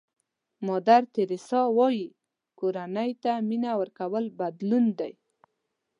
مادر تریسیا وایي کورنۍ ته مینه ورکول بدلون دی.